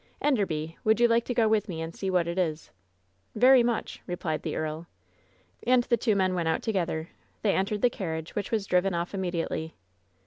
Enderby, would you likt to go with me and see what it is?" WHEN SHADOWS DIE 79 *^Very much," replied the earl. And the two men went out together. They entered the carriage, which was driven off immediately.